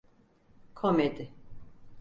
Komedi.